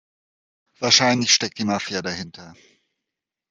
Wahrscheinlich steckt die Mafia dahinter.